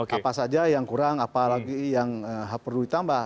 apa saja yang kurang apa lagi yang perlu ditambah